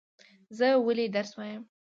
زه ولی درس وایم؟